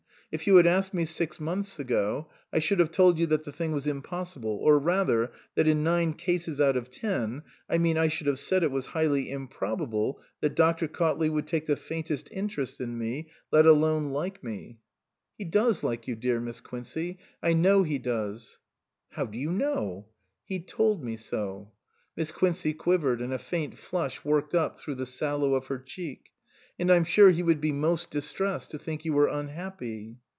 If you had asked me six months ago I should have told you that the thing was impossible, or rather, that in nine cases out of ten I mean I should have said it was highly improbable that Dr. Cautley would take the faintest interest in me, let alone like me." 287 SUPERSEDED " He does like you, dear Miss Quincey, I know he does." " How do you know ?"" He told me so." (Miss Quincey quivered and a faint flush worked up through the sallow of her cheek.) " And I'm sure he would be most distressed to think you were unhappy."